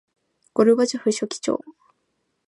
ゴルバチョフ書記長